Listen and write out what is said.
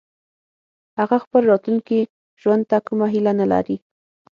هغه خپل راتلونکي ژوند ته کومه هيله نه لري